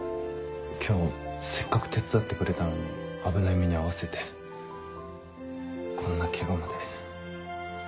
今日せっかく手伝ってくれたのに危ない目に遭わせてこんなケガまで。